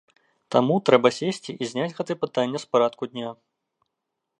Таму трэба сесці і зняць гэтае пытанне з парадку дня.